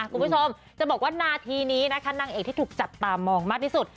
คุณผู้ชมจะบอกว่านาทีนี้นะคะนางเอกที่ถูกจับตามองมากที่สุด